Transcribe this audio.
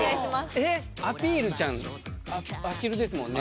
えっアピールちゃんアヒルですもんね